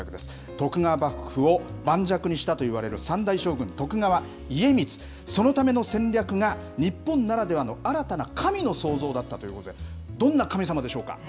徳川幕府を盤石にしたといわれる三代将軍、徳川家光、そのための戦略が、日本ならではの新たな神の創造だったということで、どんな神様でしょうか。